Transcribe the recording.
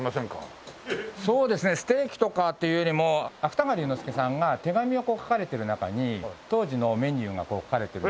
そうですねステーキとかっていうよりも芥川龍之介さんが手紙を書かれている中に当時のメニューが書かれてるんですけども。